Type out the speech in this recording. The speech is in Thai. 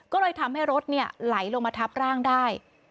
ก็เลยทำให้รถไหลลงมาทับร่างได้